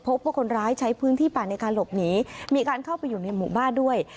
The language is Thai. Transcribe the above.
พบว่าคนร้ายใช้พื้นที่ป่าในการหลบหนีมีการเข้าไปอยู่ในหมู่บ้านด้วย